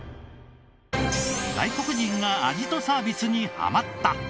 外国人が味とサービスにハマった！